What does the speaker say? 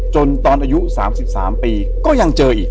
ตอนอายุ๓๓ปีก็ยังเจออีก